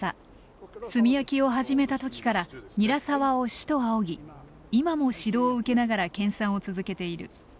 炭焼きを始めた時から韮澤を師と仰ぎ今も指導を受けながら研鑽を続けている。